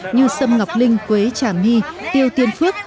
như sâm ngọc linh quế trà my tiêu tiên phước